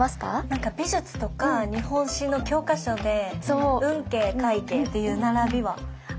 何か美術とか日本史の教科書で運慶快慶っていう並びは何となく。